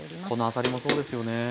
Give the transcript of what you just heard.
このあさりもそうですよね。